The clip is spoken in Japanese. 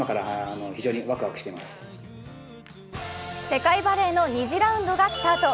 世界バレーの２次ラウンドがスタート。